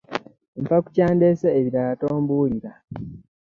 Nfa ku kyandeese ebirala tombuulira.